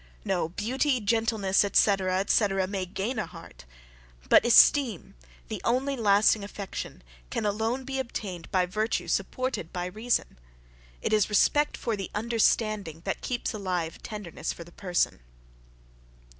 No, beauty, gentleness, etc. etc. may gain a heart; but esteem, the only lasting affection, can alone be obtained by virtue supported by reason. It is respect for the understanding that keeps alive tenderness for the person.